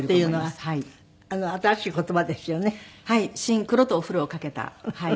「シンクロ」と「お風呂」を掛けたはい。